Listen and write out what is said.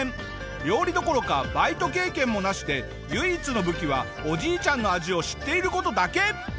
料理どころかバイト経験もなしで唯一の武器はおじいちゃんの味を知っている事だけ！